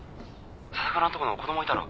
☎笹倉んとこの子供いたろ？